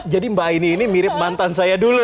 jadi mbak aini ini mirip mantan saya dulu